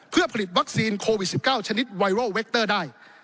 เพื่อผลิตวัคซีนโควิด๑๙ชนิดไวรัลเวคเตอร์ได้